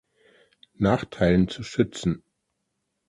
Nachteilen zu schützen.